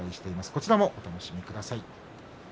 こちらもお楽しみください。